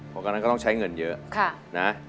เพราะตอนนั้นก็ต้องใช้เงินเยอะนะ